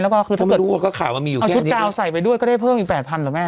แล้วก็คือถ้าเกิดเอาชุดกล้าวใส่ไปด้วยก็ได้เพิ่มอีก๘๐๐๐บาทหรอแม่